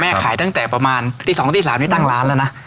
แม่ขายตั้งแต่ประมาณที่สองกับที่สามไม่ตั้งร้านแล้วน่ะ